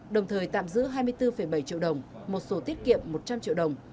đồng thời tạm giữ hai mươi bốn bảy triệu đồng một số tiết kiệm một trăm linh triệu đồng